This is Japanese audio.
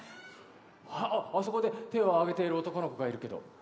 あっあそこで手を挙げている男の子がいるけど。